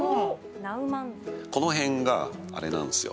この辺があれなんすよ